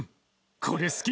これ好き。